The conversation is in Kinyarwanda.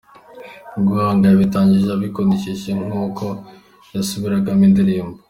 Guhanga yabitangiye abikundishijwe nuko yasubiragamo indirimbo.